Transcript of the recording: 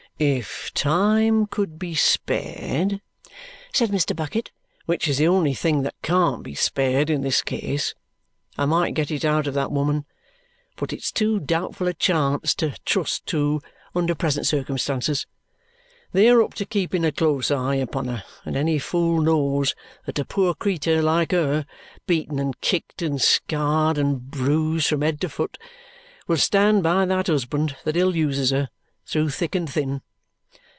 "If time could be spared," said Mr. Bucket, "which is the only thing that can't be spared in this case, I might get it out of that woman; but it's too doubtful a chance to trust to under present circumstances. They are up to keeping a close eye upon her, and any fool knows that a poor creetur like her, beaten and kicked and scarred and bruised from head to foot, will stand by the husband that ill uses her through thick and thin.